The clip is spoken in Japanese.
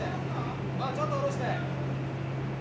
ちょっと下ろして。